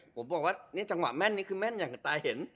ผมบอกว่านี่จังหวะแม่นนี่คือแม่นอย่างกับตาเห็น